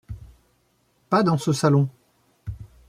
Pas dans ce salon !…